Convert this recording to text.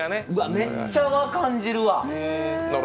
めっちゃ和、感じるわ。